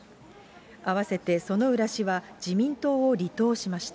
合わせて薗浦氏は、自民党を離党しました。